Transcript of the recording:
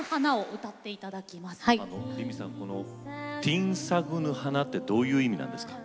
「てぃんさぐぬ花」ってどういう意味なんですか？